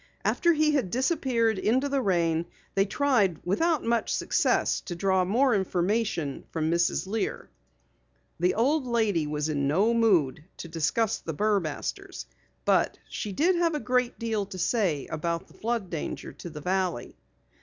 After he had disappeared into the rain they tried without much success to draw more information from Mrs. Lear. The old lady was in no mood to discuss the Burmasters, but she did have a great deal to say about flood danger to the valley.